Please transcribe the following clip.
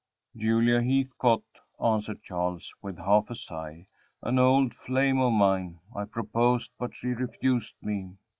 "Julia Heathcote," answered Charles, with a half sigh, "an old flame of mine. I proposed, but she refused me."